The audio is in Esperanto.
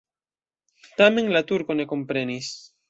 Tamen la turko ne komprenis.